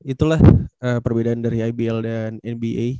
itulah perbedaan dari ibl dan nba